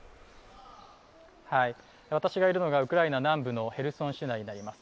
私がいるのがウクライナ南部のヘルソン市内になります。